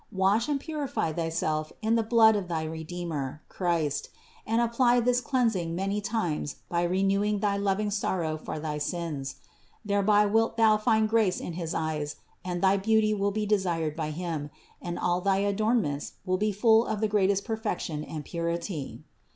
Wash and purify thyself in the blood of thy Redeemer, Christ, and apply this cleansing many times by renewing thy loving sorrow for thy sins. Thereby wilt thou find grace in his eyes and thy beauty will be desired by Him, and all thy adornments will be full of the greatest perfection and purity.